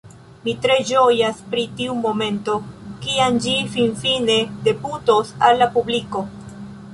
Mi tre ĝojas pri tiu momento, kiam ĝi finfine debutos al la publiko